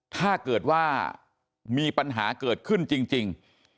ถ้าเกิดว่ามีปัญหาเกิดขึ้นจริง